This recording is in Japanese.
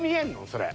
それ。